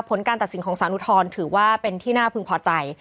ผลการตัดสินของสารอุทธรณ์ถือว่าเป็นที่น่าพึงพอใจ